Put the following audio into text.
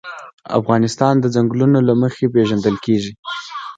افغانستان د ځنګلونه له مخې پېژندل کېږي.